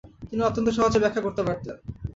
তিনি অত্যন্ত সহজে ব্যাখ্যা করতে পারতেন"।